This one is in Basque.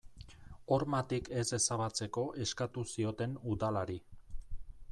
Hormatik ez ezabatzeko eskatu zioten udalari.